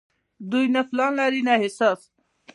دوي نۀ پلان لري او نه احساس